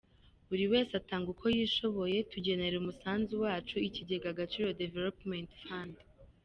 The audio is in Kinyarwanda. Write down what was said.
Buri wese atanga uko yishoboye, tugenera umusanzu wacu ikigega Agaciro Development Fund.